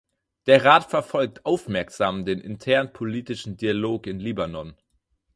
Der Rat verfolgt aufmerksam den internen politischen Dialog in Libanon.